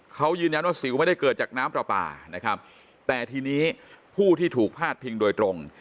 เขายืนยันว่าสิวไม่ได้เกิดจากน้ำปลาปลานะครับแต่ทีนี้ผู้ที่ถูกพาดพิงโดยตรง